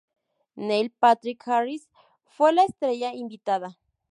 Neil Patrick Harris fue la estrella invitada.